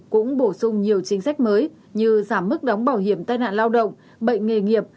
cũng bổ sung nhiều chính sách mới như giảm mức đóng bảo hiểm tai nạn lao động bệnh nghề nghiệp